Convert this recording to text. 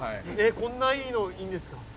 こんないいのいいんですか？